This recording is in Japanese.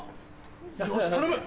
よし頼む！